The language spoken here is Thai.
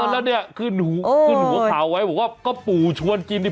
แล้วเนี่ยขึ้นหัวข่าวไว้บอกว่าก็ปู่ชวนกินนี่